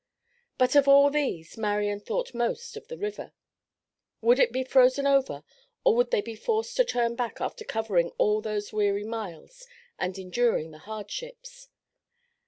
But of all these, Marian thought most of the river. Would it be frozen over, or would they be forced to turn back after covering all those weary miles and enduring the hardships?